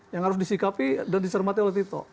yang harus disikapi dan disermati oleh tito